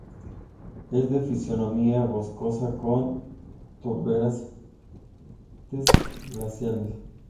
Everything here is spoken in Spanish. Es de fisonomía boscosa, con turberas, serranías, y valles glaciales.